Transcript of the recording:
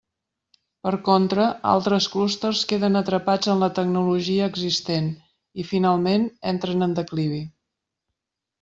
Per contra, altres clústers queden atrapats en la tecnologia existent i, finalment, entren en declivi.